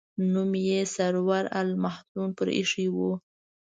نوم یې سرور المحزون پر ایښی و.